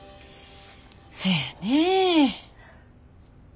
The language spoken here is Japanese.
そやねぇ。